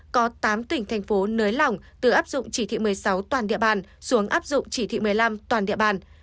có tám tỉnh thành phố nới lỏng từ áp dụng chỉ thị một mươi sáu toàn địa bàn xuống áp dụng chỉ thị một mươi năm toàn địa bàn